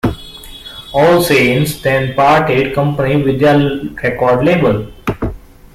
All Saints then parted company with their record label.